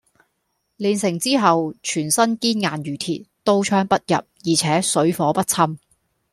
練成之後全身堅硬如鐵，刀槍不入而且水火不侵